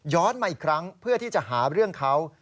มาอีกครั้งเพื่อที่จะหาเรื่องเขา